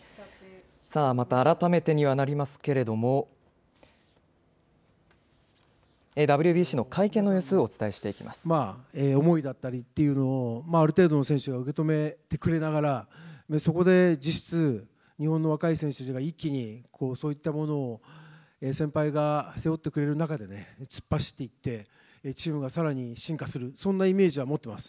また改めてにはなりますけれども、ＷＢＣの会見の様子をお伝えして思いだったりっていうのを、ある程度の選手は受け止めてくれながら、そこで実質、日本の若い選手たちが一気に、そういったものを先輩が背負ってくれる中で突っ走っていって、チームがさらに進化する、そんなイメージは持ってます。